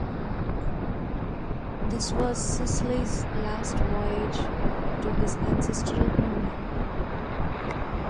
This was Sisley's last voyage to his ancestral homeland.